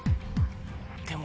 でも。